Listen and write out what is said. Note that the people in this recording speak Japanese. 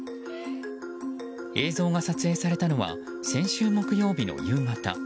映像が撮影されたのは先週木曜日の夕方。